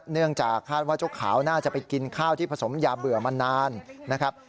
เนื่องจากคาดว่าเจ้าขาวน่าจะไปกินข้าวที่ผสมยาเบื่อมานานนะครับ